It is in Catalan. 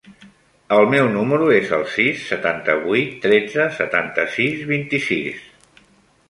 El meu número es el sis, setanta-vuit, tretze, setanta-sis, vint-i-sis.